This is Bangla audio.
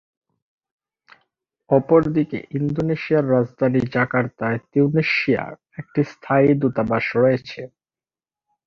অপরদিকে, ইন্দোনেশিয়ার রাজধানী জাকার্তায় তিউনিসিয়ার একটি স্থায়ী দূতাবাস রয়েছে।